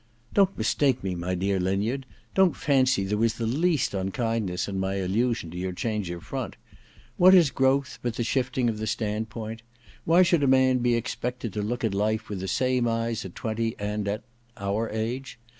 ' Don't mistake me, my dear Linyard. Don't fancy there was the least unkindness in my allusion to your change of front. What is growth but the shifting of the stand point ? II THE DESCENT OF MAN 15 Why should a man be expected to look at life with the same eyes at twenty and — at our age